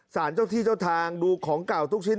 สารเจ้าที่เจ้าทางดูของเก่าทุกชิ้น